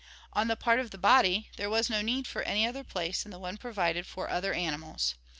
On the part of the body, there was no need for any other place than the one provided for other animals.